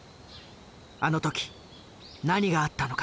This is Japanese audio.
あの時何があったのか。